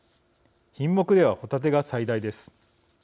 品目ではホタテが最大です。